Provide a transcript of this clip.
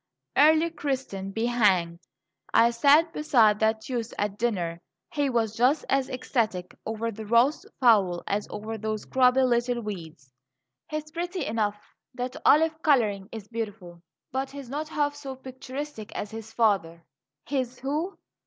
"Early Christian be hanged! I sat beside that youth at dinner; he was just as ecstatic over the roast fowl as over those grubby little weeds. He's pretty enough; that olive colouring is beautiful; but he's not half so picturesque as his father." "His who?"